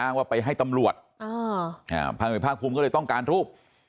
อ้าวะไปให้ตำรวจอ่าภารกิจภาคภูมิก็เลยต้องการรูป